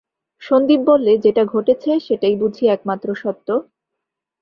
সন্দীপ বললে, যেটা ঘটেছে সেটাই বুঝি একমাত্র সত্য?